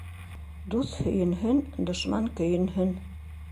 Дуҫ һөйөнһөн, дошман көйөнһөн.